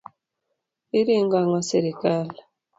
Iringo ang'o sirikal.